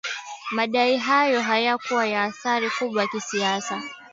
madai hayo hayakuwa na athari kubwa kisiasa